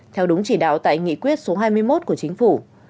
theo đúng chỉ đạo tại nghị quyết số hai mươi một của chính phủ